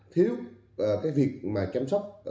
thiếu cái việc mà chăm sóc